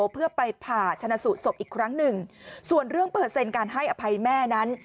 เพื่อไปผ่าชนะสูตรศพอีกครั้งหนึ่งส่วนเรื่องเปอร์เซ็นต์การให้อภัยแม่นั้น